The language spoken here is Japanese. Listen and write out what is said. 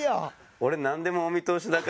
俺なんでもお見通しだから。